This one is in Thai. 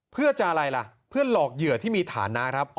เพื่อจะอะไรล่ะเพื่อหลอกเหยื่อที่มีฐานะครับ